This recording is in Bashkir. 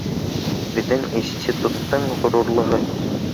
— Беҙҙең институттың ғорурлығы